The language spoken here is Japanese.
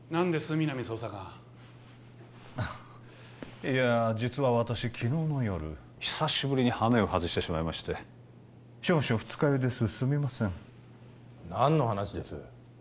皆実捜査官いや実は私昨日の夜久しぶりにハメを外してしまいまして少々二日酔いですすみません何の話です？